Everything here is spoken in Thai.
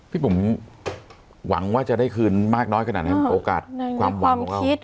พี่บุ๋มหวังว่าจะได้คืนมากน้อยขนาดนั้นโอกาสความหวังของเราคิด